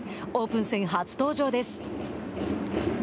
オープン戦、初登場です。